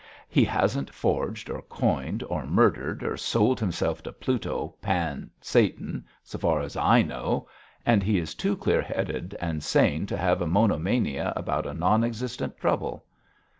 He hasn't forged, or coined, or murdered, or sold himself to Pluto Pan Satan so far as I know; and he is too clear headed and sane to have a monomania about a non existent trouble.